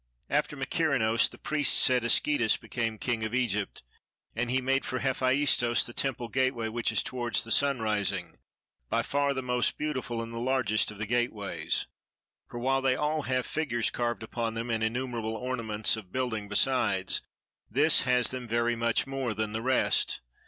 After Mykerinos the priests said Asychis became king of Egypt, and he made for Hephaistos the temple gateway which is towards the sunrising, by far the most beautiful and the largest of the gateways; for while they all have figures carved upon them and innumerable ornaments of building besides, this has them very much more than the rest.